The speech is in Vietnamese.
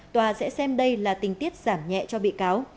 tòa sẽ xem đây là tình tiết giảm nhẹ cho bị cáo